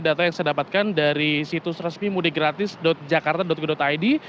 data yang saya dapatkan dari situs resmi mudikgratis jakarta go id